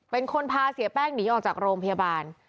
เป็นคนพาเสียแป้งหนีออกจากโรงพยาบาล